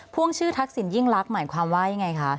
่วงชื่อทักษิณยิ่งลักษณ์หมายความว่ายังไงคะ